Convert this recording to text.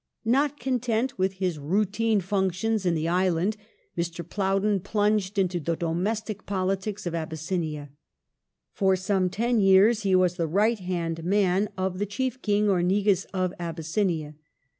Not content with his routine functions in the island, Mr. Plowden plunged into the domestic politics of Abys sinia. For some ten years he was the right hand man of the chief King or Negus of Abyssinia.